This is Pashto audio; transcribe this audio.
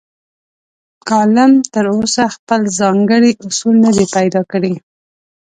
کالم تراوسه خپل ځانګړي اصول نه دي پیدا کړي.